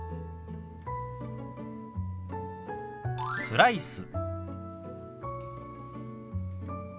「スライス」。